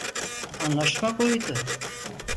Anlaşma buydu.